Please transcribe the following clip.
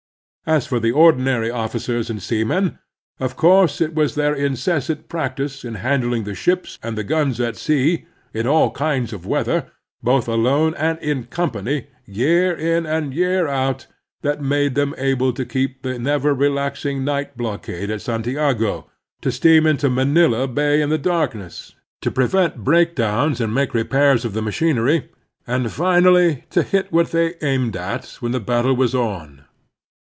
As for the ordinary officers and seamen, of 174 The Strenuous Life course it was their incessant practice in handling the ships and the guns at sea, in all kinds of weather, both alone and in company, year in and year out, that made them able to keep up the never relaxing night blockade at Santiago, to steam into Manila Bay in the darkness, to prevent breakdowns and make repairs of the machinery, and finally to hit what they aimed at when the battle was on.